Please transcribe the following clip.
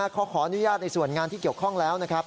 เขาขออนุญาตในส่วนงานที่เกี่ยวข้องแล้วนะครับ